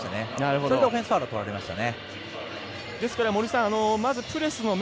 それでオフェンスファウルとられましたね。